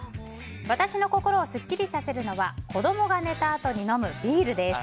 私の心をスッキリさせるのは子供が寝たあとに飲むビールです。